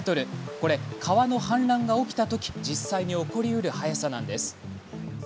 これ、川の氾濫が起きたとき実際に起こりうる速さなんです。